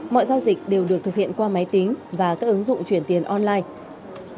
mọi giao dịch đều được thực hiện qua máy tính và các ứng dụng chuyển tiền online